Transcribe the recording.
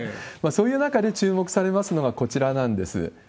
そういう中で注目されますのが、こちらなんです。